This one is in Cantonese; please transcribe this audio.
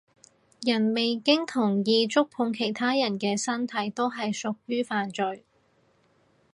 人未經同意觸碰其他人嘅身體都係屬於犯罪